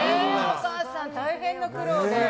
お母さん、大変な苦労で。